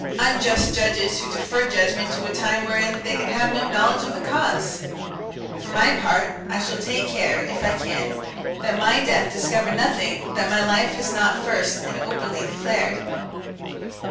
Unjust judges, who defer judgment to a time wherein they can have no knowledge of the cause! For my part, I shall take care, if I can, that my death discover nothing that my life has not first and openly declared.